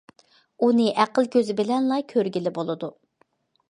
ئۇنى ئەقىل كۆزى بىلەنلا كۆرگىلى بولىدۇ.